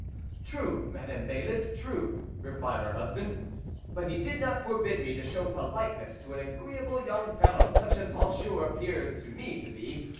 "True, Madame Bailiff, true," replied her husband, " but he did not forbid me to show politeness to an agreeable young fellow such as Monsieur appears to me to be.